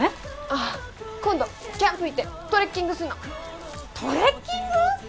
ああ今度キャンプ行ってトレッキングするのトレッキング！？